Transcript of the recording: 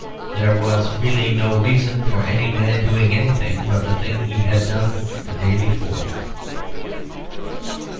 There was really no reason for any man doing anything but the thing he had done the day before.